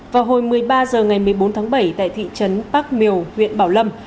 vào hồi một mươi ba h ngày một mươi bốn tháng bảy tại thị trấn bác miều huyện bảo lâm